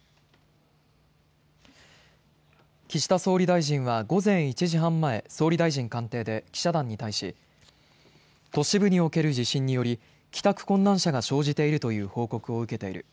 総理大臣は午前１時半前、総理大臣官邸で記者団に対し、都市部における地震により帰宅困難者が生じているという報告を受けている。